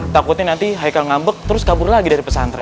takutnya nanti haikal ngambek terus kabur lagi dari pesantren